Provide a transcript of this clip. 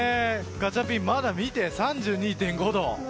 ガチャピン、まだ見て３２．５度。